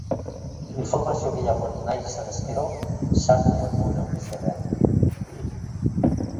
Informazio gehiago nahi izanez gero, sartu webgune ofizialean.